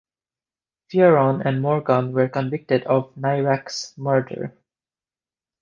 Fearon and Morgan were convicted of Nairac's murder.